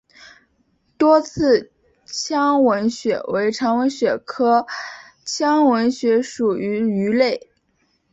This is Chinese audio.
多刺腔吻鳕为长尾鳕科腔吻鳕属的鱼类。